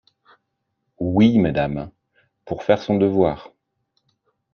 Oui, madame, pour faire son devoir.